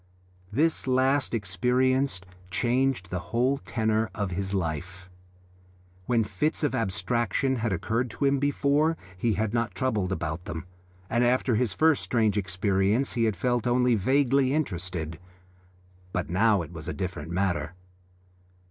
This last experience changed the whole tenor of his life. When fits of abstraction had occurred to him before he had not troubled about them, and after his first strange experience he had felt only vaguely interested; but now it was a different matter.